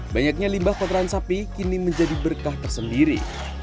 banyaknya limbah kotoran sapi kini menjadi berkah tersendiri